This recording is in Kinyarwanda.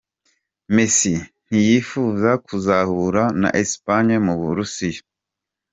Messi ntiyifuza kuzahura na Espagne mu Burusiya.